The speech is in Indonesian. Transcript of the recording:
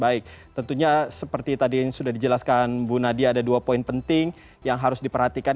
baik tentunya seperti tadi yang sudah dijelaskan bu nadia ada dua poin penting yang harus diperhatikan